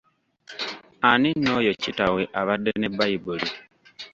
Ani nno oyo kitawe abadde ne Baibuli?